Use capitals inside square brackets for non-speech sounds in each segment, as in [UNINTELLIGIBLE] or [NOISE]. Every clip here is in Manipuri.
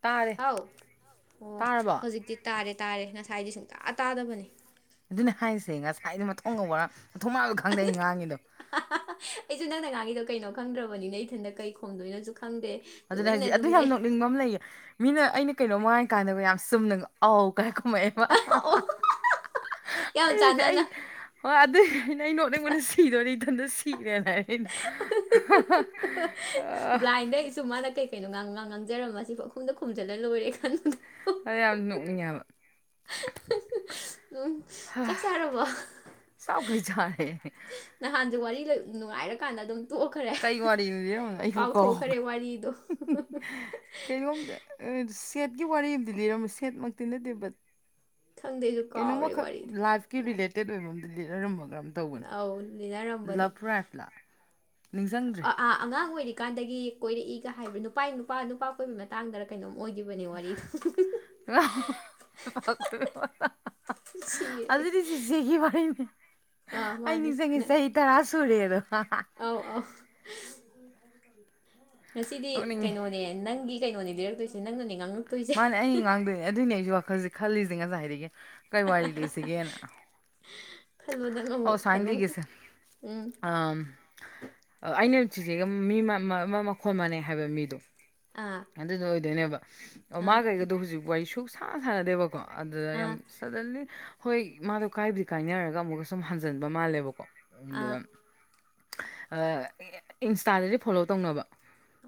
ꯇꯥꯔꯦ ꯍꯥꯎ ꯑꯣ ꯇꯥꯔꯕꯣ ꯍꯧꯖꯤꯛꯇꯗꯤ ꯇꯥꯔꯦ ꯇꯥꯔꯦ ꯉꯁꯥꯏꯗꯤ ꯁꯨꯡꯇꯥ ꯇꯥꯗꯕꯅꯤ ꯑꯗꯨꯅ ꯍꯥꯏꯔꯤꯁꯦ ꯉꯁꯥꯏꯗ ꯃꯊꯣꯡ ꯃꯊꯣꯡ ꯃꯔꯝ ꯑꯝ ꯈꯪꯗꯦ ꯑꯩꯅ ꯉꯥꯡꯉꯤꯗꯣ꯫ ꯑꯩꯁꯨ ꯅꯪꯅ ꯑꯉꯥꯡꯒꯤꯗꯣ ꯀꯩꯅꯣ ꯈꯪꯗ꯭ꯔꯕꯅꯤꯅ ꯏꯊꯟꯗ ꯀꯩ ꯈꯣꯡꯗꯣꯏꯅꯣꯁꯨ ꯈꯪꯗꯦ ꯑꯗꯨꯅꯦ ꯇꯨꯃꯤꯟꯅ ꯍꯥꯏꯁꯤ ꯑꯗꯨ ꯑꯗꯨꯝ ꯌꯥꯝ ꯂꯩ ꯅꯣꯛꯅꯤꯡꯕ ꯑꯃ ꯂꯩꯌꯦ ꯃꯤꯅ ꯑꯩꯅ ꯀꯩꯅꯣꯝ ꯍꯥꯏ ꯀꯥꯟꯅꯕ ꯌꯥꯝ ꯆꯨꯝꯅꯒ꯫ ꯑꯧ ꯀꯥꯏ ꯀꯨꯝꯃꯩꯕ ꯑꯣ ꯌꯥꯝ ꯑꯩꯗꯤ ꯑꯩ ꯆꯥꯟꯅꯅ ꯍꯣꯏ ꯑꯗꯨꯏ ꯑꯩꯅ ꯑ ꯅꯣꯛ ꯅꯪꯉꯣꯟꯅ ꯁꯤꯗꯣꯔꯤ ꯏꯊꯟꯗ ꯁꯤꯔꯦꯅ ꯍꯥꯏꯔ ꯑꯩꯅ꯫ [UNINTELLIGIBLE] ꯁꯨꯃꯅ ꯀꯦ ꯀꯩꯅꯣ ꯉꯥꯡ ꯉꯥꯡ ꯉꯥꯡꯖꯔꯝꯁꯤꯐ ꯑꯩꯈꯨꯝꯗ ꯈꯣꯝꯜꯂ ꯂꯣꯏꯔꯦ ꯀꯥꯟꯗ ꯑ ꯌꯥꯝ ꯅꯣꯛꯅꯤꯡꯉꯦꯕ ꯎꯝ ꯆꯥꯛ ꯆꯥꯔꯕꯣ ꯆꯥꯛꯄꯨꯗꯤ ꯆꯥꯔꯦ ꯅꯍꯥꯟꯁꯦ ꯋꯥꯔꯤ ꯅꯨꯡꯉꯥꯏꯔꯀꯥꯟꯗ ꯑꯗꯨꯝ ꯇꯣꯛꯈ꯭ꯔꯦ ꯀꯩ ꯋꯥꯔꯤꯅꯣ ꯂꯤꯔꯝꯕꯗꯣ ꯑꯩꯕꯨ ꯀꯥꯎꯊꯣꯛꯈ꯭ꯔꯦ ꯋꯥꯔꯤꯗꯣ ꯀꯩꯅꯣꯝ ꯁꯦꯠꯀꯤ ꯋꯥꯔꯤ ꯑꯃꯗꯤ ꯂꯤꯔꯝꯃꯤ ꯁꯦꯠꯃꯛꯇꯤ ꯅꯠꯇꯦꯕ꯫ ꯈꯪꯗꯦꯁꯨ ꯀꯩꯅꯣꯝꯃꯈꯛ ꯂꯥꯏꯐꯀꯤ ꯔꯤꯂꯦꯇꯦꯠ ꯑꯣꯏꯕ ꯑꯝꯗ ꯂꯤꯅꯔꯝꯃꯒꯝ ꯑꯧ ꯂꯅꯔꯝꯕꯅꯦ ꯅꯤꯡꯁꯤꯡꯗ꯭ꯔꯦ ꯑꯉꯥꯡ ꯑꯣꯏꯔꯤ ꯀꯥꯟꯗꯒꯤ ꯀꯣꯏꯔꯛꯏꯒ ꯍꯥꯏꯕ ꯅꯨꯄꯥ ꯅꯨꯄꯥ ꯅꯨꯄꯥ ꯀꯣꯏꯕ ꯃꯇꯥꯡꯗ ꯀꯩꯅꯣꯝ ꯑꯣꯏꯈꯤꯕ ꯉ ꯐ ꯄ ꯁꯤꯔꯦ ꯑꯗꯨꯗꯤꯗꯤ ꯁꯤ ꯁꯤꯦꯒꯤ ꯋꯥꯅꯦꯦ ꯑꯥ ꯑꯩ ꯃꯥꯅꯦ ꯅꯤꯡꯁꯤꯡꯉꯦ ꯆꯍꯤ ꯇꯔꯥ ꯁꯨꯔꯦꯗꯣ ꯑꯥꯎ ꯑꯥꯎ ꯉꯁꯤꯗꯤ ꯅꯣꯛꯅꯤꯡꯉꯦ ꯀꯩꯅꯣꯅꯦ ꯅꯪꯒꯤ ꯀꯩꯅꯣꯅꯦ ꯂꯩꯔꯛꯇꯣꯏꯁꯦ ꯅꯪꯅꯅꯦ ꯉꯥꯡꯉ ꯃꯥꯅꯦ ꯑꯩ ꯉꯥꯡꯗꯣꯏꯅꯦ ꯑꯗꯨꯏꯅꯦ ꯑꯩꯖꯨ ꯋꯥꯈꯜꯖꯦ ꯈꯜꯂꯤꯖꯦ ꯉꯁꯥꯏꯗꯒꯤ ꯀꯔꯤ ꯋꯥꯔꯤ ꯂꯤꯁꯤꯒꯦꯅ ꯈꯜꯂꯣ ꯅꯪ ꯑꯣ ꯑꯃꯨꯛ ꯁꯥꯏ ꯈꯟꯕꯝ ꯂꯤꯒꯤꯁꯦ ꯎꯝ ꯑꯝ ꯑꯩꯅ ꯆꯤꯆꯦꯒ ꯃꯤ ꯃ ꯃ ꯃ ꯃ ꯃꯈꯣꯟ ꯃꯥꯟꯅꯩ ꯍꯥꯏꯕ ꯃꯤꯗꯣ ꯑꯥ ꯑꯗꯨꯗꯣ ꯑꯣꯏꯗꯣꯏꯅꯦꯕ ꯑꯣ ꯑꯥ ꯃꯥꯒ ꯑꯩꯒꯗꯣ ꯍꯧꯖꯤꯛ ꯋꯥꯔꯤ ꯁꯨꯛ ꯁꯥꯟ ꯁꯥꯟꯅꯗꯦꯕꯀꯣ ꯑꯗꯨꯗ ꯑꯥ ꯌꯥꯝ ꯁꯗꯟꯂꯤ ꯍꯣꯏ ꯃꯥꯗꯣ ꯀꯥꯏꯕꯨꯗꯤ ꯀꯥꯏꯅꯔꯒ ꯑꯃꯨꯛꯀ ꯁꯨꯝ ꯍꯟꯖꯟꯕ ꯃꯥꯜꯂꯦꯕꯀꯣ ꯑꯥ [UNINTELLIGIBLE] ꯏꯟꯁꯇꯥꯗꯗꯤ ꯐꯣꯂꯣ ꯇꯧꯅꯕ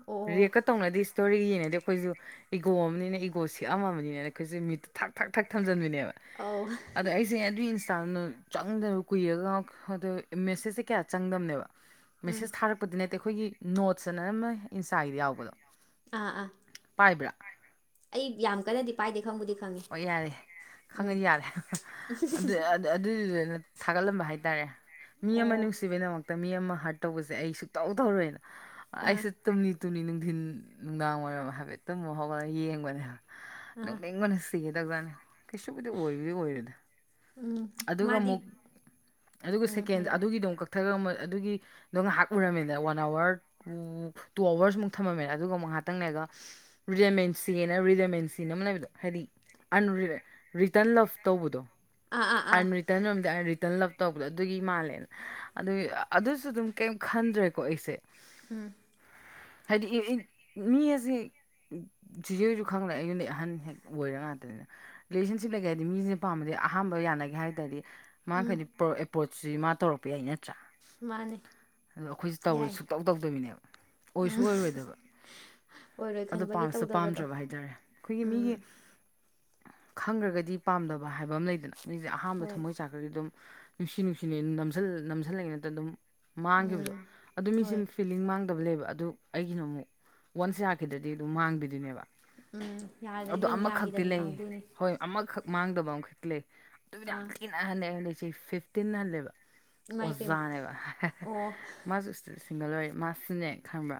ꯑꯣ ꯔꯤꯑꯦꯛꯀ ꯇꯧꯅꯗꯤꯁ [UNINTELLIGIBLE] ꯑꯩꯈꯣꯏꯁꯨ ꯏꯒꯣ ꯑꯃꯅꯤꯅ ꯏꯒꯣ ꯁꯤꯛꯑꯝꯃꯅꯤꯅ ꯑꯩꯈꯣꯏꯁꯨꯅꯦ ꯃꯌꯨꯠꯇ ꯊꯥꯛ ꯊꯥꯛ ꯊꯥꯛ ꯊꯝꯖꯤꯟꯕꯤꯅꯦꯕ ꯑꯧ ꯑꯗ ꯑꯩꯁ ꯁꯦ ꯑꯗꯨꯒꯤ ꯏꯟꯁꯇꯥꯗꯨꯅ ꯆꯪꯗꯅ ꯀꯨꯏꯔꯒ ꯑ ꯃꯦꯁꯦꯁꯁꯦ ꯀꯌꯥ ꯆꯪꯗꯝꯕꯅꯦꯕ ꯎꯝ ꯃꯦꯁꯦꯁ ꯊꯥꯔꯛꯄꯗꯤ ꯅꯠꯇꯦ ꯑꯩꯈꯣꯏꯒꯤ ꯅꯣꯠꯁ ꯑꯅꯝꯅ ꯏꯟꯁꯇꯥꯒꯤꯗ ꯌꯥꯎꯕꯗꯣ ꯑꯥ ꯑꯥ ꯄꯥꯏꯕ꯭ꯔꯥ ꯑꯩ ꯌꯥꯝ ꯀꯟꯅꯗꯤ ꯄꯥꯏꯗꯦ ꯈꯪꯕꯨꯗꯤ ꯈꯪꯉꯦ ꯍ ꯌꯥꯔꯦ ꯎꯝ ꯈꯪꯉꯗꯤ ꯌꯥꯔꯦ ꯑꯗꯨ ꯑꯗꯨꯗꯨꯅ ꯊꯥꯒꯠꯂꯝꯕ ꯍꯥꯏꯇꯥꯔꯦ ꯃꯤ ꯑꯣ ꯑꯃ ꯅꯨꯡꯁꯤꯕꯩꯗꯃꯛꯇ ꯃꯤ ꯑꯃ ꯍꯥꯔꯠ ꯇꯧꯕꯁꯦ ꯑꯩ ꯁꯨꯛꯇꯧ ꯇꯧꯔꯣꯏꯅ ꯑꯥ ꯑꯩꯁꯦ ꯇꯨꯝꯂꯤ ꯇꯨꯝꯅꯤ ꯅꯨꯡꯊꯤꯟ ꯅꯨꯡꯗꯥꯡ ꯋꯥꯏꯔꯝ ꯍꯥꯏꯐꯦꯠ ꯇꯨꯝꯃꯨ ꯔ ꯍꯧꯒꯠꯂꯒ ꯌꯦꯡꯕꯅꯦ ꯑꯥ ꯅꯣꯛꯅꯤꯡꯕꯅ ꯁꯤꯒꯦ ꯇꯧꯖꯥꯠꯅꯤ ꯀꯩꯁꯨꯕꯨꯗꯤ ꯑꯣꯏꯕꯨꯗꯤ ꯑꯣꯏꯔꯣꯏꯗ ꯎꯝ ꯑꯗꯨꯒ ꯃꯥꯗꯤ ꯑꯃꯨꯛ ꯑꯗꯨꯒ ꯎꯝ ꯁꯦꯀꯦꯟ ꯍꯥꯏꯔꯛꯑꯣ ꯑꯗꯨꯒꯤꯗꯣ ꯑꯃꯨꯛ ꯀꯛꯊꯔꯒ [UNINTELLIGIBLE] ꯑꯗꯨꯒꯤ ꯑꯗꯣ ꯉꯥꯏꯍꯥꯛ ꯎꯔꯝꯃꯦꯅ ꯋꯥꯟ ꯑꯋꯥꯔ ꯎꯝ ꯇꯨ ꯑꯋꯥꯔꯁꯃꯨꯛ ꯊꯝꯃꯝꯃꯦꯅ ꯑꯗꯨꯒ ꯑꯃꯨꯛ ꯉꯥꯇꯪ ꯂꯩꯔꯒ ꯔꯤꯗꯃꯦꯟꯁꯤꯅ ꯔꯤꯗꯃꯦꯟꯁꯤꯅ ꯑꯃ ꯂꯩꯕꯗꯣ ꯍꯥꯏꯗꯤ ꯑꯟꯔꯤꯠ ꯔꯤꯇꯟ ꯂꯞ ꯇꯧꯕꯗꯣ ꯑꯥ ꯑꯥ ꯑꯥ [UNINTELLIGIBLE] ꯇꯟ ꯔꯣꯝꯗꯤ ꯑꯩꯅ ꯔꯤꯇꯔꯟ ꯂꯞ ꯇꯧꯕꯗꯣ ꯑꯗꯨꯒꯤ ꯃꯥꯜꯂꯦꯅ ꯑꯗꯨ ꯑꯗꯨꯁꯨ ꯑꯗꯨꯝ ꯀꯩꯝ ꯈꯟꯗ꯭ꯔꯦꯀꯣ ꯑꯩꯁꯦ ꯎꯝ ꯍꯥꯏꯗꯤ ꯏ ꯏ ꯃꯤ ꯑꯖꯦ ꯆꯤꯆꯦ ꯍꯣꯏꯖꯨ ꯈꯪꯪꯂꯩ ꯑꯩꯉꯣꯜꯗꯩ ꯑꯍꯟ ꯍꯦꯛ ꯑꯣꯏꯔ ꯉꯥꯛꯇꯅꯤꯅ ꯔꯤꯂꯦꯁꯟꯁꯤꯞ ꯂꯩꯒꯦ ꯍꯥꯏꯗꯤ ꯃꯤꯖꯦ ꯄꯥꯝꯕꯗꯤ ꯑꯍꯥꯥꯟꯕ ꯌꯥꯅꯒꯦ ꯍꯥꯏ ꯇꯥꯔꯗꯤ ꯎꯝ ꯃꯥꯈꯩ ꯑꯦꯄ꯭ꯔꯣ ꯑꯦꯄ꯭ꯔꯣꯆꯁꯤ ꯃꯥ ꯇꯧꯔꯛꯄ ꯌꯥꯏ ꯅꯠꯇ꯭ꯔꯥ ꯃꯥꯅꯦ ꯑꯗꯣ ꯑꯩꯈꯣꯏꯁꯨ ꯇꯧꯔꯣꯏ ꯌꯥꯏ ꯁꯨꯛꯇꯧ ꯇꯧꯗꯕꯤꯅꯦꯕ ꯑꯣꯏꯁꯨ ꯎꯝ ꯑꯣꯏꯔꯣꯏꯗꯕ ꯑꯣꯏꯔꯣꯏ ꯑꯗꯣ ꯈꯟꯕꯒꯤ ꯄꯥꯝꯁꯨ ꯇꯧꯗꯕꯗꯣ ꯄꯥꯝꯗ꯭ꯔꯕ ꯍꯥꯏꯇꯥꯔꯦ ꯑꯩꯈꯣꯏꯒꯤ ꯎꯝ ꯃꯤꯒꯤ ꯈꯪꯈ꯭ꯔꯒꯗꯤ ꯄꯥꯝꯗꯕ ꯍꯥꯏꯕ ꯑꯃ ꯂꯩꯗꯅ ꯃꯤꯁꯦ ꯑꯍꯥꯟꯕ ꯍꯣꯏ ꯊꯝꯃꯣꯏ ꯆꯥꯛ ꯈꯗꯤ ꯑꯗꯨꯝ ꯅꯨꯡꯁꯤ ꯅꯨꯡꯁꯤꯅ ꯅꯝꯖꯜ ꯅꯝꯖꯤꯜꯂꯛꯏ ꯅꯠꯇ꯭ꯔ ꯑꯗꯨꯝ ꯎꯝ ꯃꯥꯡꯒꯤꯕꯗꯣ ꯑꯗꯨ ꯃꯤꯁꯨ ꯍꯣꯏ ꯐꯤꯂꯤꯡ ꯂꯤꯡ ꯃꯥꯡꯗꯕ ꯂꯩꯌꯦꯕ ꯑꯗꯨ ꯑꯩꯒꯤꯅ ꯑꯃꯨꯛ ꯋꯥꯟꯁ ꯌꯥꯈꯤꯗ꯭ꯔꯗꯤ ꯑꯗꯨꯝ ꯃꯥꯡꯕꯤꯗꯨꯅꯦꯕ ꯎꯝ ꯑꯗꯣ ꯌꯥꯗ꯭ꯔꯗꯤ ꯑꯗꯨꯝ ꯑꯃꯈꯛꯇꯤ ꯌꯥꯈꯤꯗꯕꯤ ꯂꯩ ꯀꯥꯡꯒꯨꯅꯤ ꯍꯣꯏ ꯑꯃꯈꯛ ꯃꯥꯡꯗꯕ ꯑꯃꯈꯛꯇꯤ ꯂꯩ ꯑꯗꯨꯗꯤ ꯌꯥꯝ ꯑꯥ ꯊꯤꯅ ꯑꯍꯜꯅꯦ ꯑꯩꯉꯣꯟꯗꯩ ꯆꯍꯤ ꯐꯤꯐꯇꯤꯟ ꯍꯜꯂꯦꯕ ꯏꯃꯥ ꯏꯄꯦꯝꯃ ꯑꯣꯖꯥꯅꯦꯕ ꯑꯣ [UNINTELLIGIBLE] ꯃꯥꯁꯨ ꯁꯤꯡꯒꯜ ꯑꯣꯏꯔꯤ ꯃꯥꯁꯨꯅꯦ ꯈꯪꯕ꯭ꯔꯥ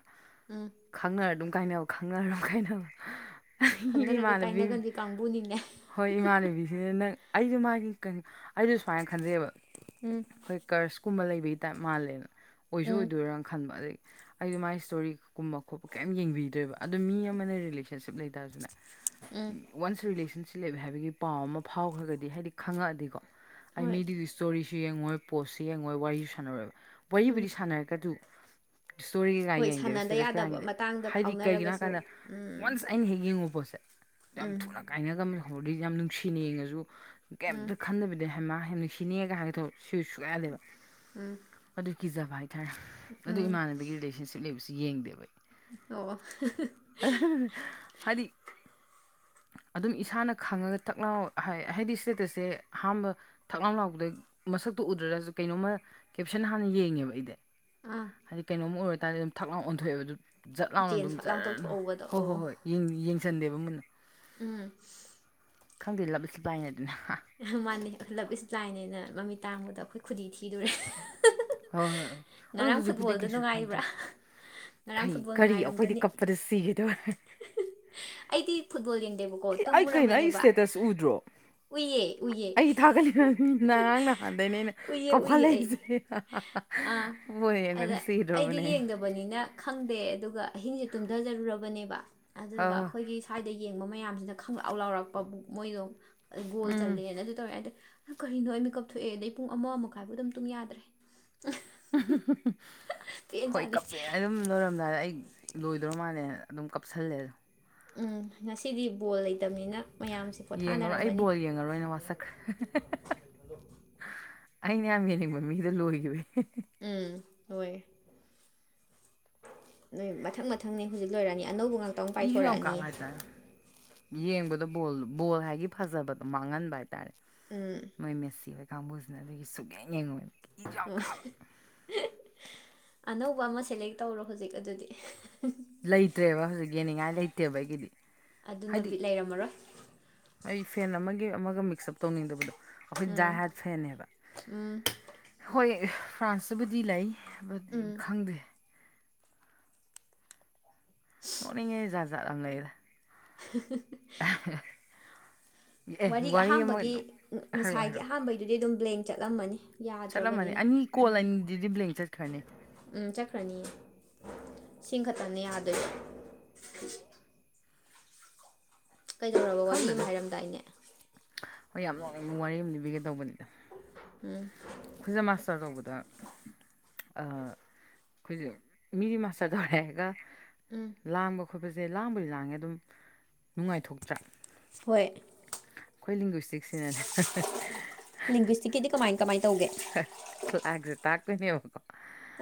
ꯎꯝ ꯈꯪꯅꯔ ꯑꯗꯨꯝ ꯀꯥꯏꯅꯕ ꯈꯪꯅꯔ ꯑꯗꯨꯝ ꯀꯥꯏꯅꯕ ꯑꯩ ꯈꯪꯟꯅꯔꯒ ꯏꯃꯥꯟꯅꯕꯤ ꯀꯥꯏꯅꯒꯟꯕꯤ ꯀꯥꯡꯕꯨꯅꯤꯅꯦ ꯍꯣꯏ ꯏꯃꯥꯟꯅꯕꯤꯁꯤꯅ ꯅꯪ ꯑꯩꯁꯨ ꯃꯥꯒꯤ ꯀꯩꯅꯣ ꯑꯩꯖꯨ ꯁꯨꯃꯥꯏꯅ ꯈꯟꯖꯩ ꯌꯦꯕ ꯎꯝ ꯑꯩꯈꯣꯏ ꯀꯔꯁꯀꯨꯝꯕ ꯂꯩꯕꯒꯤ ꯇꯥꯏꯞ ꯃꯥꯜꯂꯦꯅ ꯑꯣꯏꯁꯨ ꯎꯝ ꯑꯣꯏꯗꯣꯏꯔꯥꯅ ꯈꯟꯕ ꯑꯗꯨꯏ ꯑꯩꯗꯣ ꯃꯥꯏ ꯏꯁꯇꯣꯔꯤꯒꯨꯝꯕ ꯈꯣꯠꯄ ꯀꯩꯝ ꯌꯦꯡꯕꯤꯗ꯭ꯔꯦꯕ ꯑꯗꯨꯣ ꯃꯤ ꯑꯃꯅ ꯔꯤꯂꯦꯁꯟꯁꯤꯞ ꯂꯩꯇꯥꯔꯁꯨꯅꯦ ꯎꯝ ꯋꯥꯟꯁ ꯔꯤꯂꯦꯁꯟꯁꯤꯞ ꯂꯩ ꯍꯥꯏꯕꯒꯤ ꯄꯥꯎ ꯑꯃ ꯐꯥꯎꯈ꯭ꯔꯒꯗꯤ ꯍꯥꯏꯗꯤ ꯈꯪꯉꯛꯑꯗꯤꯀꯣ ꯑꯩ ꯍꯣꯏ ꯃꯤꯗꯨꯒꯤ ꯁ꯭ꯇꯣꯔꯤꯁ ꯌꯦꯡꯉꯣꯏ ꯄꯣꯠꯁꯨ ꯌꯦꯡꯉꯣꯏ ꯋꯥꯔꯤꯁꯨ ꯁꯥꯟꯅꯔꯣꯏꯕ ꯎꯝ ꯋꯥꯔꯤꯕꯨꯗꯤ ꯁꯥꯟꯅꯔꯒ ꯗꯨ ꯁ꯭ꯇꯣꯔꯤ ꯀꯩꯀꯥ ꯍꯣꯏ ꯌꯦꯡꯗꯦꯕ ꯁꯥꯟꯅꯗ ꯁ꯭ꯇꯦꯇꯁ ꯀꯩ ꯌꯥꯗꯕ ꯌꯦꯡꯗꯦꯕ ꯃꯇꯥꯡꯗ ꯍꯥꯏꯗꯤ ꯀꯩꯒꯤꯅꯣ ꯐꯥꯎꯅꯔꯒꯁꯨ ꯍꯥꯏꯀꯥꯟꯗ ꯎꯝ ꯋꯥꯟꯁ ꯑꯩꯅ ꯍꯦꯛ ꯌꯦꯡꯉꯨ ꯄꯣꯠꯁꯦ ꯌꯥꯝ ꯎꯝ ꯊꯨꯅ ꯀꯥꯏꯅꯒꯟꯕꯗꯣ ꯈꯪꯕ꯭ꯔ [UNINTELLIGIBLE] ꯌꯥꯝ ꯅꯨꯡꯁꯤꯅ ꯌꯦꯡꯉꯁꯨ ꯎꯝ ꯀꯩꯝꯇ ꯈꯟꯗꯕꯤꯗ ꯍꯩꯃꯥ ꯌꯥꯝ ꯅꯨꯡꯁꯤꯅꯦꯒ ꯍꯥꯏꯒꯗꯣ [UNINTELLIGIBLE] ꯁꯨꯛꯌꯥ ꯌꯥꯗꯦꯕ ꯎꯝ ꯑꯗꯨ ꯀꯤꯖꯕ ꯍꯥꯏꯇꯥꯔꯦ ꯑꯗꯨ ꯎꯝ ꯏꯃꯥꯟꯅꯕꯤꯒꯤ ꯔꯤꯂꯦꯁꯟꯁꯤꯞ ꯂꯩꯕꯁꯨ ꯌꯦꯡꯗꯦꯕ ꯑꯩ ꯑꯣ ꯍꯥꯏꯗꯤ ꯑꯗꯨꯝ ꯏꯁꯥꯅ ꯈꯪꯉꯒ ꯊꯛꯅꯕ ꯍꯥꯏꯗꯤ ꯏꯁꯇꯦꯇꯁꯁꯦ ꯑꯍꯥꯟꯕ ꯊꯛꯂꯥꯎꯝ ꯂꯥꯎꯄꯗ ꯃꯁꯛꯇꯣ ꯎꯗ꯭ꯔꯁꯨ ꯀꯩꯅꯣꯝꯃ ꯀꯦꯞꯁꯟ ꯍꯥꯟꯅ ꯌꯦꯡꯉꯦꯕ ꯑꯩꯗꯤ ꯑꯥ ꯍꯥꯏꯗꯤ ꯀꯩꯅꯣꯝ ꯑꯣꯏꯔꯇꯥꯥꯔꯗꯤ ꯑꯗꯨꯝ ꯊꯛ ꯂꯥꯎ ꯑꯣꯟꯊꯣꯛꯑꯦꯕ ꯑꯗꯨ ꯖꯠ ꯂꯥꯎꯅ ꯆꯦꯟ ꯑꯗꯨꯝ ꯁꯣꯠ ꯂꯥꯎ ꯠꯔꯅ ꯇꯧꯊꯣꯛꯍꯧꯕꯗꯣ ꯍꯣꯏ ꯑꯣ ꯍꯣꯏ ꯍꯣꯏ ꯌꯦꯡꯁꯟꯗꯦꯕ ꯃꯨꯟꯅ ꯎꯝ ꯈꯪꯗꯦ ꯂꯞ ꯏꯁ ꯕꯂꯥꯏꯟ ꯍꯥꯢꯗꯨꯅꯤ ꯍꯥ ꯃꯥꯟꯅꯤ ꯂꯞ ꯏꯁ ꯕ꯭ꯂꯥꯏꯅꯦꯅ ꯃꯃꯤꯠ ꯇꯥꯡꯕꯗ ꯑꯩꯈꯣꯏ ꯈꯨꯗꯤ ꯊꯤꯗꯨꯔꯦ ꯍꯣꯏ ꯍꯣꯏ ꯑꯗꯨ ꯍꯧꯖꯤꯛꯄꯨꯗꯤ ꯀꯩꯁꯨ ꯅꯨꯡꯉꯥꯏꯕ꯭ꯔꯥ ꯈꯟꯗ꯭ꯔꯦꯗ ꯉꯔꯥꯡ ꯀꯔꯤꯩ ꯐꯨꯠꯕꯣꯜ ꯀꯔꯤ ꯑꯩꯈꯣꯏꯗꯤ ꯅꯨꯡꯉꯥꯏꯔꯝꯒꯅꯤ ꯀꯛꯄꯗ ꯁꯤꯒꯦ ꯇꯧꯋꯦ ꯑꯩꯗꯤ ꯐꯨꯠꯕꯣꯜ ꯌꯦꯡꯗꯦꯕꯀꯣ ꯑꯩ ꯀꯩꯅꯣ ꯇꯨꯝꯃꯨꯔꯕꯅꯦ ꯑꯩ ꯏꯁꯇꯦꯇꯁ ꯎꯗ꯭ꯔꯣ ꯎꯏꯌꯦ ꯑꯩ ꯊꯥꯒꯠꯂꯤ ꯉꯔꯥꯡ ꯅꯍꯥꯟꯗꯩꯅꯦ ꯑꯩꯅ ꯎꯏꯌꯦ ꯎꯏꯌꯦ ꯑꯩ ꯀꯥꯎꯈꯠꯂꯛꯏꯁꯦ ꯑꯥ ꯕꯣꯜ ꯑꯗ ꯌꯦꯡꯕꯗ ꯑꯩꯗꯤ ꯁꯤꯗ꯭ꯔꯣꯕꯅꯦ ꯑꯩ ꯌꯦꯡꯗ ꯈꯦꯗꯦ ꯑꯗꯨꯒ ꯑꯍꯤꯡꯁꯦ ꯇꯨꯝꯊꯖꯔꯨꯔꯕꯅꯦꯕ ꯑꯗꯨꯒ ꯑꯥ ꯑꯩꯈꯣꯏ ꯁ꯭ꯋꯥꯏꯗ ꯌꯦꯡꯕ ꯃꯌꯥꯝꯁꯤꯅ ꯈꯪꯂꯥꯎ ꯂꯥꯎꯔꯛꯄꯕꯨ ꯃꯣꯏꯗꯣ ꯒꯣꯜ ꯎꯝ ꯆꯜꯂꯦꯅꯁꯨ ꯇꯧꯋꯦ ꯑꯗ ꯀꯔꯤꯅꯣ ꯑꯩ ꯃꯦꯀꯞ ꯊꯣꯛꯑꯦ ꯑꯗꯩ ꯄꯨꯡ ꯑꯃ ꯑꯃꯈꯥꯏꯕꯨ ꯑꯗꯨꯝ ꯇꯨꯡ ꯌꯥꯗ꯭ꯔꯦ ꯄꯦꯟ ꯍꯣꯏ ꯆꯥꯅꯩ ꯀꯞꯄꯃꯦꯅ ꯑꯗꯨꯝ ꯂꯣꯏꯔꯝꯗꯥꯏꯗ ꯑꯩ ꯂꯣꯏꯗ꯭ꯔꯧ ꯃꯥꯜꯂ ꯑꯗꯨꯝ ꯀꯞꯁꯜꯂꯦꯗ ꯎꯝ ꯉꯁꯤꯗꯤ ꯕꯣꯜ ꯂꯩꯇꯕꯅꯤꯅ ꯃꯌꯥꯝꯁꯦ ꯌꯦꯡꯉꯔꯣꯏ ꯑꯩ ꯄꯣꯊꯥꯅꯔꯝꯃꯅꯤ ꯕꯣꯜ ꯌꯦꯡꯉꯔꯣꯏ ꯅ ꯋꯥꯁꯛ ꯑꯩꯅ ꯌꯥꯝ ꯌꯦꯡꯅꯤꯡꯕ ꯃꯤꯗ ꯂꯣꯏꯒ꯭ꯔꯦ ꯎꯝ ꯂꯣꯏꯌꯦ ꯅꯣꯏ ꯃꯊꯪ ꯃꯊꯪꯅꯦ ꯍꯧꯖꯤꯛ ꯂꯣꯏꯔꯅꯤ ꯑꯅꯧꯕ ꯉꯥꯛꯇ ꯑꯃꯨ ꯄꯥꯏꯊꯣꯔꯛꯑꯅꯤ ꯌꯦꯡꯕꯗ ꯕꯣꯜ ꯕꯣꯜ ꯍꯥꯏꯗꯤ ꯐꯖꯕꯗꯣ ꯃꯥꯡꯍꯟꯕ ꯍꯥꯏꯇꯥꯔꯦ ꯎꯝ ꯃꯣꯏ ꯃꯠꯁꯤꯕꯩ ꯀꯥꯡꯕꯨꯁꯤꯅ ꯑꯗꯨꯒꯤ ꯁꯨꯛꯌꯥꯅ ꯌꯦꯡꯉꯣꯏꯦ ꯑꯅꯧꯕ ꯑꯃ ꯁꯦꯂꯦꯛ ꯇꯧꯔꯣ ꯍꯧꯖꯤꯛ ꯑꯗꯨꯗꯤ ꯂꯩꯇ꯭ꯔꯦꯕ ꯍꯧꯖꯤꯛ ꯌꯦꯡꯅꯤꯡꯉꯥꯏ ꯂꯩꯇꯦꯕ ꯑꯩꯒꯤꯗꯤ ꯑꯗꯨꯅ ꯍꯥꯏꯗꯤ ꯕꯤꯠ ꯂꯩꯔꯝꯃꯔꯣꯏ ꯑꯩ ꯐꯦꯟ ꯑꯃꯒꯤ ꯑꯃꯒ ꯃꯤꯛꯁꯑꯞ ꯇꯧꯅꯤꯡꯗꯕꯗꯣ ꯑꯩꯈꯣꯏ ꯗꯥꯥꯏ ꯎꯝ ꯍꯥꯏꯠ ꯐꯦꯟꯅꯦꯕ ꯎꯝ ꯍꯣꯏ ꯐ꯭ꯔꯥꯟꯁꯇꯕꯨꯗꯤ ꯂꯩ ꯍꯥꯏꯕꯗꯤ ꯎꯝ ꯈꯪꯗꯦ ꯃꯣꯔꯅꯤꯡꯉꯩ ꯖꯥꯠ ꯖꯠ ꯌꯥꯝ ꯂꯩꯔ ꯑꯦ ꯋꯥꯔꯤ ꯑꯃ ꯑꯍꯥꯟꯕꯒꯤ ꯍꯥꯏꯔꯛꯑꯣ ꯉꯁꯥꯏꯒꯤ ꯍꯥꯏꯔꯛꯑꯣ ꯑꯍꯥꯟꯕ ꯑꯗꯨꯗꯤ ꯑꯗꯨꯝ ꯕ꯭ꯂꯦꯟ ꯆꯠꯂꯝꯃꯅꯤ ꯆꯠꯂꯝꯃꯅꯤ ꯌꯥꯗ꯭ꯔꯕꯅꯤꯅ ꯑꯅꯤ ꯀꯣꯜ ꯎꯝ ꯑꯅꯤꯗꯨꯗꯤ ꯕ꯭ꯂꯦꯡ ꯆꯠꯈ꯭ꯔꯅꯤ ꯎꯝ ꯆꯠꯈ꯭ꯔꯅꯤꯌꯦ ꯁꯤꯡ ꯈꯛꯇꯅꯦ ꯌꯥꯗꯣꯏ ꯀꯩꯗꯧꯔꯕ ꯋꯥꯔꯤ ꯑꯃ ꯈꯪꯗꯦꯗ ꯍꯥꯏꯔꯝꯗꯥꯏꯅꯦ ꯍꯣꯏ ꯌꯥꯝ ꯅꯨꯡꯅꯤꯡꯕ ꯋꯥꯔꯤ ꯑꯃ ꯂꯤꯕꯤꯒꯦ ꯇꯧꯕꯅꯤꯗ ꯎꯝ ꯑꯩꯈꯣꯏꯖ ꯃꯥꯁꯇꯔ ꯇꯧꯕꯗ ꯑ ꯑꯩ ꯃꯤꯅꯤ ꯃꯥꯁꯥꯗꯧꯔꯦ ꯍꯥꯏꯦꯒ ꯎꯝ ꯂꯥꯡꯕ ꯈꯣꯠꯄꯁꯦ ꯂꯥꯡꯕꯨꯗꯤ ꯂꯥꯡꯉꯦ ꯑꯗꯨꯝ ꯅꯨꯡꯉꯥꯏꯊꯣꯛꯇ꯭ꯔꯥ ꯍꯣꯏ ꯑꯩꯈꯣꯏ ꯂꯤꯡꯒ꯭ꯤꯁꯇꯤꯛꯁꯤꯅꯅꯦ ꯂꯤꯡꯒ꯭ꯋꯁꯇꯤꯛꯀꯤꯗꯤ ꯀꯃꯥꯏ ꯀꯃꯥꯏꯅ ꯇꯧꯒꯦ ꯂꯁ ꯇꯥꯛꯄꯤꯅꯦ ꯋꯥꯀ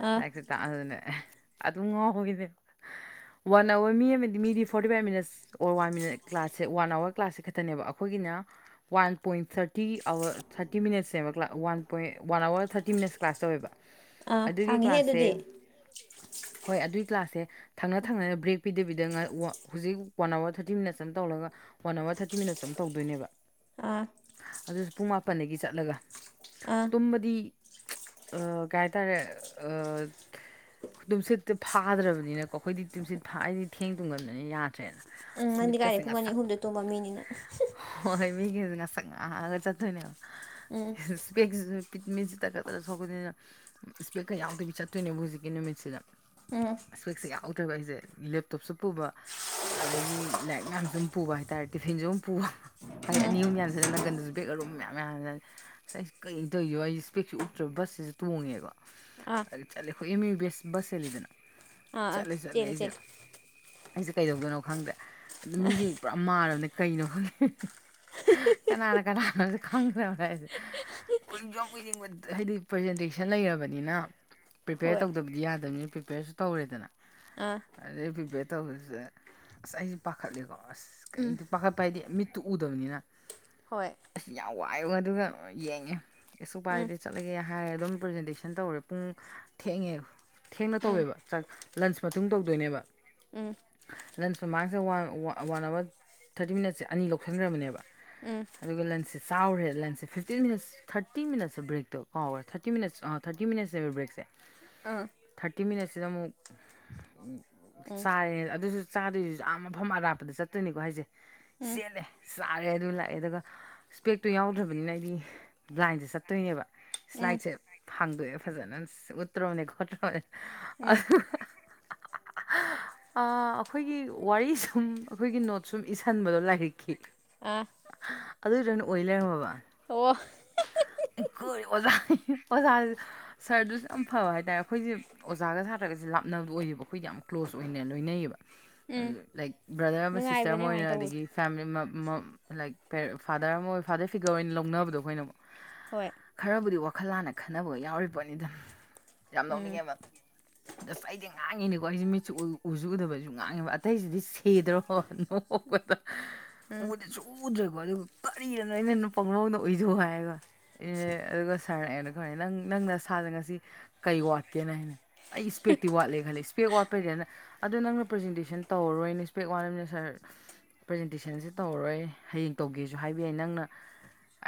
ꯑꯥ ꯇ ꯑꯗꯨꯅꯦ ꯑꯗꯨꯝ ꯉꯥꯎꯈꯤꯅꯦꯕ ꯋꯥꯟ ꯑꯋꯥꯔ ꯃꯤ ꯑꯃꯗꯤ ꯃꯤꯗꯤ forty five minutes or one minute ꯀ꯭ꯂꯥꯁꯦ ꯋꯥꯟ ꯑꯋꯥꯔ ꯀ꯭ꯂꯥꯁꯁꯦ ꯈꯛꯇꯅꯦꯕ ꯑꯩꯈꯣꯏꯒꯤꯅ one point thirty hour thirty ꯃꯤꯅꯠꯁꯅꯦꯕ ꯀ꯭ꯂ one point one hour thirty minutes class ꯇꯧꯋꯦꯕ ꯑꯥ ꯑꯗꯨꯒꯤ ꯁꯥꯡꯉꯤꯍꯦ ꯑꯗꯨꯗꯤ ꯀ꯭ꯂꯥꯁꯁꯦ ꯍꯣꯏ ꯑꯗꯨꯒꯤ ꯀ꯭ꯂꯥꯁꯁꯦ ꯊꯪꯅ ꯊꯪꯅꯅ ꯕ꯭ꯔꯦꯛ ꯄꯤꯗꯕꯤꯗ ꯍꯧꯖꯤꯛ ꯋꯥꯟ ꯑꯋꯥꯔ ꯊꯥꯔꯇꯤ ꯃꯤꯅꯠꯁ ꯑꯃ ꯇꯧꯔꯒ ꯋꯥꯟ ꯑꯋꯥꯔ ꯊꯥꯔꯇꯤ ꯃꯤꯅꯠꯁ ꯑ ꯑꯃ ꯇꯧꯗꯣꯏꯅꯦꯕ ꯑꯥ ꯑꯗꯨꯁꯨ ꯄꯨꯡ ꯃꯥꯄꯟꯗꯒꯤ ꯆꯠꯂꯒ ꯑꯥ ꯇꯨꯝꯕꯗꯤ ꯑ ꯀꯩ ꯍꯥꯏꯇꯥꯔꯦ ꯑ ꯇꯨꯝꯁꯤꯠꯇꯣ ꯐꯥꯗ꯭ꯔꯕꯅꯤꯅꯀꯣ ꯑꯩꯈꯣꯏꯗꯤ ꯇꯨꯝꯁꯤꯠ ꯐꯥꯗꯤ ꯊꯦꯡ ꯇꯨꯡꯒꯟꯕꯅ ꯌꯥꯗ꯭ꯔꯦꯅ ꯎꯝ ꯑꯁ ꯅꯪꯗꯤ ꯃꯤꯠꯀꯁꯦ ꯀꯥꯏꯗꯩ ꯄꯨꯡ ꯑꯅꯤ ꯉꯥꯁꯪ ꯑꯍꯨꯝꯗ ꯇꯣꯝꯕ ꯃꯤꯅꯤꯅ ꯍꯣꯏ ꯃꯤꯒꯦ ꯉꯥꯁꯪ ꯉꯪꯉꯒ ꯆꯇꯣꯏꯅꯦꯕ ꯎꯝ ꯃꯦꯟꯁꯤ ꯇ ꯀ ꯇꯔ ꯁꯀꯗꯅ ꯏꯁꯄꯦꯦꯛꯀ ꯌꯥꯎꯗꯕꯤ ꯆꯠꯇꯣꯏꯅꯦꯕ ꯍꯧꯖꯤꯛꯀꯤ ꯅꯨꯃꯤꯠꯁꯤꯗ ꯎꯝ ꯎꯝ ꯏꯁꯋꯦꯛꯁꯦ ꯌꯥꯎꯗ꯭ꯔꯦꯕ ꯑꯩꯁꯦ ꯂꯦꯞꯇꯣꯞꯁꯨ ꯄꯨꯕ ꯑꯗꯒꯤ ꯂꯥꯏꯔꯤꯛ ꯃꯌꯥꯝꯁꯨ ꯑꯗꯨꯝ ꯄꯨꯕ ꯍꯥꯏꯇꯥꯔꯦ ꯇꯤꯐꯤꯟꯁꯨ ꯑꯗꯨꯝ ꯄꯨꯕ ꯍꯥꯏꯗꯤ ꯑꯅꯤ ꯑꯍꯨꯝ ꯌꯥꯟꯁꯤꯜꯂꯦ ꯅꯪꯒꯟꯗꯁꯨ ꯕꯦꯛ ꯑꯔꯨꯝ ꯃꯌꯥꯝ ꯌꯥꯟꯖꯥꯜꯂꯦ ꯉꯁꯥꯏ ꯀꯔꯤ ꯇꯧꯣ ꯑꯩꯁ ꯏꯁꯄꯦꯛꯁꯤ ꯎꯞꯇ꯭ꯔꯕ ꯕꯁꯁꯤꯁꯨ ꯇꯣꯡꯉꯦꯕ ꯑꯥ ꯑ ꯆꯠꯂꯦ ꯑꯩꯈꯣꯏ ꯑꯦꯝ ꯌꯨ ꯕꯁ ꯕꯁ ꯆꯦꯂꯤꯗꯅ ꯑꯥ ꯑꯥ ꯆꯠꯂꯦ ꯆꯠꯂꯦ ꯆꯦꯜꯂꯦ ꯑꯩꯁꯦ ꯆꯦꯜꯂꯦ ꯑꯩꯁꯦ ꯀꯩꯗꯧꯗꯣꯏꯅꯣ ꯈꯪꯗ꯭ꯔꯦ ꯑꯗꯨ ꯃꯤꯁꯦ ꯄꯨꯔꯥ ꯃꯥꯟꯔꯕꯅꯦ ꯀꯩꯅꯣ ꯈꯪꯗꯦ ꯀꯅꯥꯅ ꯀꯅꯥꯅꯣꯁꯨ ꯈꯪꯗ꯭ꯔꯕ ꯍꯥꯏꯁꯦ ꯁꯨ ꯌꯥꯝꯏ ꯌꯦꯡꯕ ꯍꯥꯏꯗꯤ ꯄ꯭ꯔꯖꯦꯟꯇꯦꯁꯟ ꯂꯩꯔꯕꯅꯤꯅ ꯄ꯭ꯔꯤꯄꯦꯌꯔ ꯍꯣꯏ ꯇꯧꯗꯕꯗꯤ ꯌꯥꯗꯕꯅꯤꯅ ꯄ꯭ꯔꯤꯄꯦꯌꯔꯁꯨ ꯇꯧꯔꯦꯗꯅ ꯑꯥ ꯑꯗꯩ ꯄ꯭ꯔꯤꯄꯦꯌꯔ ꯇꯧꯕꯁꯤꯗ ꯑꯁ ꯑꯩꯁꯨ ꯄꯥꯈꯠꯂꯤꯀꯣ ꯑꯁ ꯎꯝ ꯀꯇ ꯄꯥꯈꯠꯄ ꯍꯥꯏꯗꯤ ꯃꯤ ꯇꯨꯎꯗꯕꯅꯤꯅ ꯍꯣꯏ ꯑꯁ ꯌꯥꯝ ꯋꯥꯏꯑꯕ ꯑꯗꯨꯒ ꯌꯦꯡꯉꯦ ꯑꯦꯁꯨ ꯎꯝ ꯎꯄꯥꯏꯗꯤ ꯆꯠꯂꯒꯦ ꯍꯥꯏꯔꯦ ꯑꯗꯨꯝ ꯄ꯭ꯔꯖꯦꯟꯇꯦꯁꯟ ꯇꯧꯔꯦ ꯄꯨꯡ ꯊꯦꯡꯉꯦꯕ ꯊꯦꯡꯅ ꯎꯝ ꯇꯧꯋꯦꯕ ꯆꯥꯛ ꯂꯟꯁ ꯃꯇꯨꯡ ꯇꯧꯗꯣꯏꯅꯦꯕ ꯎꯝ ꯂꯟꯁ ꯃꯃꯥꯡꯁꯦ ꯋꯥꯟ ꯑꯋꯥꯔ ꯊꯥꯔꯇꯤ ꯃꯤꯅꯠꯁꯦ ꯑꯅꯤ ꯂꯧꯁꯤꯟꯈ꯭ꯔꯕꯅꯦꯕ ꯎꯝ ꯑꯗꯨꯒ ꯂꯟꯁꯦ ꯆꯥꯎꯔꯦ ꯂꯟꯁꯦ ꯐꯤꯐꯇꯤꯟ ꯃꯤꯅꯠꯁ ꯊꯥꯔꯇꯤ ꯃꯤꯅꯠꯁ ꯕ꯭ꯔꯦꯛꯇꯣ ꯀꯥꯎꯈꯔꯦ ꯊꯥꯔꯇꯤ ꯃꯤꯅꯠꯁ ꯑ ꯊꯥꯔꯇꯤ ꯃꯤꯅꯠꯁꯅꯦꯕ ꯕ꯭ꯔꯦꯛꯁꯦ ꯑꯥ ꯊꯥꯔꯇꯤ ꯃꯤꯅꯠꯁꯤꯗ ꯑꯃꯨꯛ ꯎ ꯎꯝ ꯆꯥꯔꯦ ꯑꯗꯨꯁꯨ ꯆꯥꯗꯣꯏꯁꯨ ꯌꯥꯝ ꯃꯐꯝ ꯑꯔꯥꯞꯄꯗ ꯆꯠꯇꯣꯏꯅꯤꯀꯣ ꯍꯥꯏꯁꯦ ꯎꯝ ꯆꯦꯜꯂꯦ ꯆꯥꯔꯦ ꯑꯗꯨ ꯂꯥꯛꯑꯦ ꯑꯗꯨꯒ ꯏꯁꯄꯦꯛꯇꯣ ꯌꯥꯎꯗ꯭ꯔꯕꯅꯤꯅ ꯑꯩꯗꯤ ꯕ꯭ꯂꯥꯏꯟꯁꯦ ꯆꯠꯇꯣꯏꯅꯦꯕ ꯎꯝ ꯁ꯭ꯂꯥꯏꯠꯁꯦ ꯐꯪꯗꯣꯏꯑꯦ ꯐꯖꯅ ꯎꯠꯇ꯭ꯔꯣꯕꯅꯦ ꯈꯣꯠꯇ꯭ꯔꯣꯕꯅꯦ ꯎꯝ ꯑ ꯑꯩꯈꯣꯏꯒꯤ ꯋꯥꯔꯤ ꯁꯨꯝ ꯑꯩꯈꯣꯏꯒꯤ ꯅꯣꯠ ꯁꯨꯝ ꯏꯁꯁꯤꯟꯕꯗꯣ ꯂꯥꯏꯔꯤꯛꯈꯤ ꯑ ꯑꯗꯨꯗꯅ ꯑꯣꯏ ꯂꯩꯔꯝꯃꯕ ꯑꯣ ꯀꯣꯏ ꯑꯣꯖꯥ ꯑꯣꯖꯦ ꯁꯔꯗꯨꯁꯨ ꯌꯥꯝ ꯐꯕ ꯍꯥꯏꯇꯥꯔꯦ ꯑꯩꯈꯣꯏꯁꯦ ꯑꯣꯖꯥꯒ ꯁꯥꯇ꯭ꯔꯒꯁꯦ ꯂꯥꯞꯅꯕ ꯑꯣꯏꯔꯤꯕ ꯑꯩꯈꯣꯏꯗꯤ ꯌꯥꯝ ꯀ꯭ꯂꯣꯖ ꯑꯣꯏꯅ ꯂꯣꯏꯅꯩꯌꯦꯕ ꯎꯝ ꯂꯥꯏꯛ ꯕ꯭ꯔꯗꯔ ꯑꯃ ꯁꯤꯁꯇꯔ ꯑꯃ ꯅꯨꯡꯉꯥꯏꯕꯅꯦ ꯑꯣꯏꯅ ꯑꯗꯨꯃꯥꯏꯅ ꯇꯧꯕꯗꯣ ꯑꯗꯒꯤ ꯐꯦꯃꯤꯂꯤ ꯂꯥꯏꯛꯦ ꯐꯥꯗꯔ ꯑꯃ ꯑꯣꯏ ꯐꯥꯗꯔ ꯐꯤꯒꯔ ꯑꯣꯏꯅ ꯂꯧꯅꯕꯗꯣ ꯑꯩꯈꯣꯏꯅ ꯑꯃꯨꯛ ꯍꯣꯏ ꯈꯔꯕꯨꯗꯤ ꯋꯥꯈꯜ ꯂꯥꯟꯅ ꯈꯟꯅꯕ ꯌꯥꯎꯔꯤ ꯄꯣꯠꯅꯤꯗ ꯌꯥꯝ ꯎꯝ ꯂꯧꯅꯤꯡꯉꯦꯕ ꯑꯗꯁ ꯑꯩꯗꯤ ꯉꯥꯡꯉꯤꯅꯦꯀꯣ ꯑꯩꯁꯦ ꯃꯤꯠꯆꯨ ꯎꯁꯨ ꯎꯗꯕꯁꯨ ꯉꯥꯡꯉꯦꯕ ꯑꯇꯩꯁꯤꯗꯤ ꯁꯦꯗ꯭ꯔꯣ ꯅꯣ ꯎꯝ ꯎꯗꯤ ꯆꯨꯗ꯭ꯔꯦꯀꯣ ꯑꯗꯨꯒ ꯀꯔꯤꯔꯅꯣ ꯑꯩꯅ ꯅ ꯄꯍꯧꯗ ꯑꯣꯏꯊꯣꯛ ꯍꯥꯏꯔꯒ ꯑꯦ ꯑꯗꯨꯒ ꯁꯥꯔꯑꯩꯅ ꯈꯔꯦ ꯅꯪ ꯅꯪꯅ ꯁꯥꯗ ꯉꯁꯤ ꯀꯩ ꯋꯥꯠꯀꯦꯅ ꯍꯥꯏꯅꯦ ꯑꯩ ꯏꯁꯄꯦꯛꯇꯤ ꯋꯥꯠꯂꯦ ꯈꯜꯂꯦ ꯏꯁꯄꯦꯛ ꯋꯥꯠꯄꯩꯗꯅ ꯑꯗꯣ ꯅꯪꯅ ꯄ꯭ꯔꯖꯦꯟꯇꯦꯁꯟ ꯇꯧꯔꯔꯣꯏꯅꯦ ꯏꯁꯄꯦꯛ ꯋꯥꯃꯤꯅ ꯁꯥꯔ ꯄ꯭ꯔꯖꯦꯟꯇꯦꯁꯟꯁꯦ ꯇꯧꯔꯔꯣꯏ ꯍꯌꯦꯡ ꯇꯧꯒꯦꯁꯨ ꯍꯥꯏꯕ ꯌꯥꯏ ꯅꯪꯅ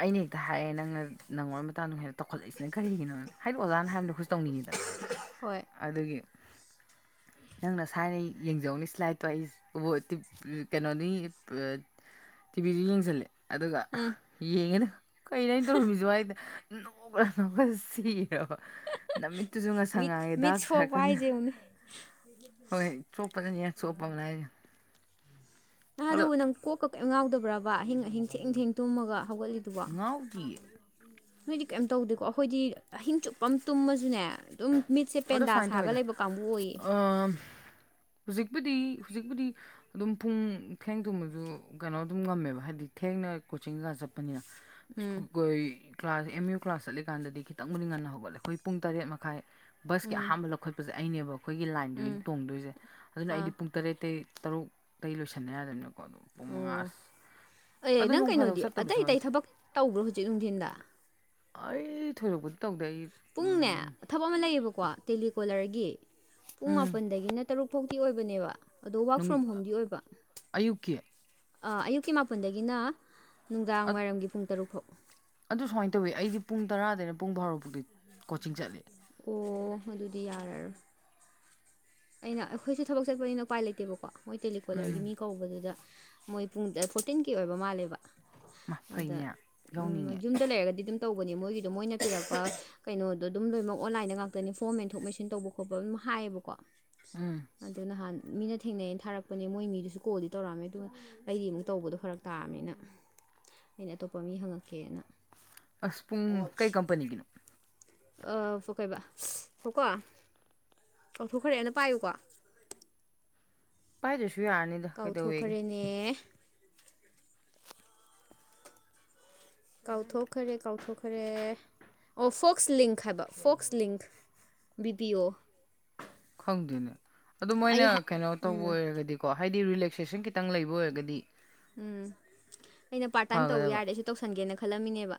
ꯑꯩꯅ ꯍꯦꯛꯇ ꯍꯥꯏꯌꯦꯦ ꯅꯪꯅ ꯅꯪꯉꯣꯟꯕ ꯃꯇꯥꯡꯗꯣ ꯍꯦꯛꯇ ꯇꯧꯈꯠꯂꯛꯏꯁꯤꯅ ꯀꯔꯤꯒꯤꯅꯣ ꯍꯥꯏꯗꯤ ꯑꯣꯖꯥꯅ ꯍꯥꯏꯕꯗꯣꯈꯣꯏ ꯇꯧꯅꯤꯡꯉꯤꯗꯅ ꯍꯣꯏ ꯑꯗꯨꯒꯤ ꯅꯪ ꯅ ꯁꯥꯏꯅ ꯌꯦꯡꯖꯧꯅꯤ ꯁꯂꯥꯏꯠꯇꯣ ꯑꯩ ꯀꯩꯅꯣꯅꯤ ꯇꯤꯚꯤꯁꯨ ꯌꯦꯡꯁꯤꯜꯂꯦ ꯑꯗꯨꯒ ꯎꯝ ꯌꯦꯡꯉꯦꯅ ꯀꯩꯅꯣ ꯑꯩꯅ ꯇꯧꯔꯝꯃꯤꯁꯨ ꯍꯥꯏꯏꯗ ꯅꯣꯛ꯭ꯔ ꯅ ꯁꯤꯔꯕ ꯅꯨꯃꯤꯠꯇꯨꯁꯨ ꯉꯁꯥꯡ ꯃꯤꯠ ꯉꯥꯡꯉꯦ ꯃꯤꯠ ꯗꯥꯛꯁ ꯁꯣꯛꯄ ꯍꯥꯏꯔꯀꯗ ꯍꯥꯏꯁꯦ ꯌꯦꯡꯉꯨꯅꯦ ꯍꯣꯏ ꯆꯣꯄꯗꯅꯤ ꯆꯣꯄꯦ ꯅꯍꯥ ꯑꯗꯨꯕꯨ ꯅꯪ ꯀꯣꯛꯀ ꯀꯩꯝ ꯉꯥꯎꯗꯕ꯭ꯔꯕ ꯑꯍꯤꯡ ꯑꯍꯤꯡ ꯊꯦꯡ ꯊꯦꯡ ꯇꯨꯝꯃꯒ ꯍꯧꯒꯠꯂꯤꯕ ꯉꯥꯎꯗꯤ ꯅꯣꯏꯗꯤ ꯀꯩꯝ ꯇꯧꯗꯦꯀꯣ ꯑꯩꯈꯣꯏꯗꯤ ꯑꯍꯤꯡ ꯆꯨꯞꯄ ꯑꯃ ꯇꯨꯝꯃꯁꯨꯅꯦ ꯑꯗꯨꯝ ꯃꯤꯠꯁꯦ ꯑꯗꯣ ꯄꯦꯟꯗꯥ ꯁꯨꯃꯥꯏꯅ ꯁꯥꯒ ꯇꯧꯋꯦꯗ ꯂꯩꯕ ꯀꯥꯡꯕꯨ ꯑꯣꯏꯌꯦ ꯑꯝ ꯍꯧꯖꯤꯛꯄꯨꯗꯤ ꯍꯧꯖꯤꯛꯄꯨꯗꯤ ꯑꯗꯨꯝ ꯄꯨꯡ ꯊꯦꯡ ꯊꯨꯝꯕꯁꯨ ꯀꯩꯅꯣ ꯑꯗꯨꯝ ꯉꯝꯃꯦꯕ ꯍꯥꯏꯗꯤ ꯊꯦꯡꯅ ꯀꯣꯆꯤꯡꯒꯩꯀ ꯆꯠꯄꯅꯤꯅ ꯎꯝ ꯀ꯭ꯂꯥꯁ ꯑꯦꯝ ꯌꯨ ꯀ꯭ꯂꯥꯁ ꯆꯠꯂꯤꯀꯥꯟꯗꯗꯤ ꯈꯤꯇꯪꯕꯨꯗꯤ ꯉꯟꯅ ꯍꯧꯒꯠꯂꯦ ꯑꯩꯈꯣꯏ ꯄꯨꯡ ꯇꯔꯦꯠ ꯃꯈꯥꯏ ꯕꯁꯀꯤ ꯎꯝ ꯑꯍꯥꯟꯕ ꯂꯧꯈꯠꯄꯁꯦ ꯑꯩꯅꯦꯕ ꯑꯩꯈꯣꯏꯒꯤ ꯎꯝ ꯂꯥꯏꯟꯗꯨꯒꯤꯗꯤ ꯇꯣꯡꯗꯣꯏꯁꯦ ꯑꯗꯨꯅ ꯑꯥ ꯑꯩꯗꯤ ꯄ ꯇꯔꯦꯠꯇꯩ ꯇꯔꯨꯛꯇꯩ ꯂꯣꯏꯁꯟꯅꯕ ꯌꯥꯗꯃꯤꯅꯀꯣ ꯑꯗꯣ ꯄꯨꯡ ꯃꯉꯥ ꯑ ꯑꯣ ꯑꯦ ꯅꯪ ꯀꯩꯅꯣꯗꯤ ꯑꯇꯩ ꯑꯇꯩ ꯊꯕꯛ ꯇꯧꯕ꯭ꯔꯣ ꯍꯧꯖꯤꯛ ꯅꯨꯡꯊꯤꯟꯗ ꯑ ꯊꯣꯏꯔꯕꯗꯤ ꯄꯨꯡꯅꯦ ꯊꯕꯛ ꯑꯃ ꯂꯩꯌꯦꯕꯀꯣ ꯇꯦꯂꯤꯀꯣꯂꯔꯒꯤ ꯄꯨꯡ ꯎꯝ ꯃꯥꯄꯟꯗꯒꯤꯅ ꯇꯔꯨꯛ ꯐꯥꯎꯇꯤ ꯑꯣꯏꯕꯅꯦꯕ ꯑꯗꯣ ꯋꯥꯔꯛ ꯅꯨꯡ ꯐ꯭ꯔꯣꯝ ꯍꯣꯝꯗꯤ ꯑꯣꯏꯕ ꯑꯌꯨꯛꯀꯤ ꯑꯌꯨꯛꯀꯤ ꯃꯥꯄꯟꯗꯒꯤꯅ ꯑ- ꯅꯨꯡꯗꯥꯡꯋꯥꯏꯔꯝꯒꯤ ꯄꯨꯡ ꯇꯔꯨꯛ ꯐꯥꯎ ꯑꯗꯨ ꯁꯨꯃꯥꯏ ꯇꯧꯋꯤ ꯑꯩꯗꯤ ꯄꯨꯡ ꯇꯔꯥꯗꯅ ꯄꯨꯡ ꯐꯥꯎꯔꯛ ꯑꯣ ꯑꯗꯨꯗꯤ ꯌꯥꯔꯔꯣꯏ ꯑꯩꯅ ꯑꯩꯈꯣꯏꯁꯦ ꯊꯕꯛ ꯆꯠꯄꯅꯤꯅ ꯎꯄꯥꯏ ꯂꯩꯇꯦꯕꯀꯣ ꯃꯣꯏ ꯇꯦꯂꯤꯀꯣꯂꯔꯒꯤ ꯎꯝ ꯃꯤ ꯀꯧꯕꯗꯨꯗ ꯃꯣꯏ ꯄꯨꯡ ꯐꯣꯔꯇꯤꯟꯒꯤ ꯑꯣꯏꯕ ꯃꯥꯜꯂꯦꯕ ꯃꯥ ꯑꯗ ꯐꯩꯅꯦ ꯌꯥꯎꯅꯤꯡꯉꯦ ꯌꯨꯝꯗ ꯂꯩꯔꯒꯗꯤ ꯑꯗꯨꯝ ꯇꯧꯕꯅꯦ ꯃꯣꯏꯒꯤꯗꯣ ꯃꯣꯏꯅ ꯄꯤꯔꯛꯄ ꯀꯩꯅꯣꯗꯣ ꯑꯗꯨꯝ ꯂꯣꯏꯅꯃꯛ ꯑꯣꯟꯂꯥꯏꯟꯗ ꯉꯥꯛꯇꯅꯤ ꯐꯣꯔꯝ ꯃꯦꯟꯊꯣꯛ ꯃꯦꯟꯁꯤꯟ ꯇꯧꯕ ꯈꯣꯠꯄ ꯑꯗꯨꯝ ꯍꯥꯏꯌꯦꯕꯀꯣ ꯎꯝ ꯑꯗꯨ ꯅꯍꯥꯟ ꯃꯤꯅ ꯊꯦꯡꯅꯩꯩꯅ ꯊꯥꯔꯛꯄꯅꯦ ꯃꯣꯏ ꯃꯤꯗꯨꯁꯨ ꯀꯣꯜꯗꯤ ꯇꯧꯔꯛꯑꯝꯃꯦ ꯑꯗꯨ ꯑꯩꯗꯤ ꯑꯃꯨꯛ ꯇꯧꯕꯗꯣ ꯐꯔꯛ ꯇꯥꯕꯅꯤꯅ ꯑꯩꯅ ꯑꯇꯣꯞꯄ ꯃꯤ ꯍꯪꯉꯛꯀꯦꯅ ꯑꯁ ꯄꯨꯡ ꯀꯩ ꯀꯝꯄꯅꯤꯒꯤꯅꯣ ꯀꯩꯕ ꯍꯣꯏꯀꯣ ꯂꯧꯊꯣꯛꯈ꯭ꯔꯦꯅ ꯄꯥꯏꯌꯨꯀꯣ ꯄꯥꯏꯖꯦ ꯁꯤꯏ ꯑꯅꯤ ꯀꯥꯎꯊꯣꯛꯈ꯭ꯔꯦꯅꯦ ꯀꯥꯎꯊꯣꯛꯈꯔꯦ ꯀꯥꯎꯊꯣꯛꯈꯔꯦ ꯑꯣ ꯐꯣꯛꯁ ꯂꯤꯡꯛ ꯍꯥꯏꯕ ꯐꯣꯛꯁ ꯂꯤꯡꯛ ꯕꯤꯕꯤ ꯑꯣ ꯈꯪꯗꯣꯏꯅꯦ ꯑꯗꯨꯗꯣ ꯑꯩ ꯃꯣꯏꯅ ꯀꯩꯅꯣ ꯇꯧꯕ ꯎꯝ ꯑꯣꯏꯔꯒꯗꯤꯀꯣ ꯍꯥꯏꯗꯤ ꯔꯤꯂꯦꯛꯁꯦꯁꯟ ꯈꯤꯇꯪ ꯂꯩꯕ ꯑꯣꯏꯔꯒꯗꯤ ꯎꯝ ꯑꯩꯅ ꯄꯥꯔꯠ ꯇꯥꯏꯝ ꯇꯧꯕ ꯐꯒꯗꯕ ꯌꯥꯔꯗꯤ ꯑꯩꯁꯨ ꯇꯧꯁꯟꯒꯦꯅ ꯈꯜꯂꯝꯃꯤꯅꯦꯕ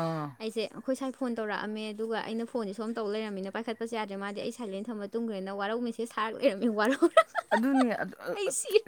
ꯑꯥ ꯑꯩꯁꯦ ꯑꯩꯈꯣꯏ ꯁꯋꯥꯏ ꯐ ꯇꯧꯔꯑꯝꯃꯦ ꯑꯗꯨꯒ ꯑꯩꯅ ꯐꯣꯟꯁꯦ ꯁꯣꯝ ꯇꯧ ꯂꯩꯔꯝꯃꯤꯅ ꯄꯥꯏꯈꯠꯄꯁ ꯌꯥꯗ꯭ꯔꯦ ꯃꯥꯗꯤ ꯑꯩ ꯁꯥꯏꯂꯦꯟ ꯊꯝꯝꯕ ꯃꯇꯨꯡꯈ꯭ꯔꯦꯅ ꯋꯥꯔꯧ ꯃꯁꯦ ꯁꯥꯔꯒ ꯂꯩꯔꯝꯃꯤ ꯋꯥꯔꯧꯔ ꯑꯗꯨꯅꯤ ꯑꯩ ꯁꯤꯔꯦ